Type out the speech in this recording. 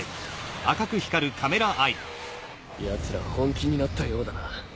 ヤツら本気になったようだな。